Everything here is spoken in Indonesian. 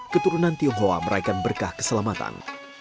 keturunan tionghoa meraihkan berkah keselamatan